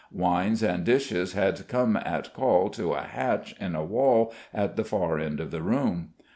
Wines and dishes had come at call to a hatch in the wall at the far end of the room.